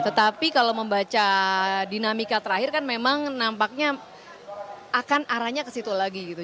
tetapi kalau membaca dinamika terakhir kan memang nampaknya akan arahnya ke situ lagi gitu